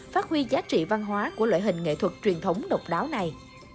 phát huy giá trị văn hóa của loại hình nghệ thuật truyền thống độc đáo này